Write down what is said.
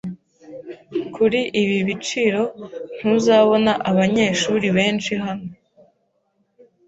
Kuri ibi biciro, ntuzabona abanyeshuri benshi hano